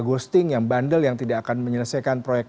ghosting yang bandel yang tidak akan menyelesaikan proyek